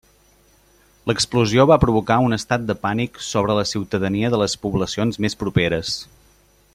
L'explosió va provocar un estat de pànic sobre la ciutadania de les poblacions més properes.